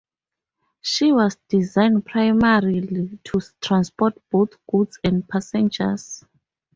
She was designed primarily to transport both goods and passengers.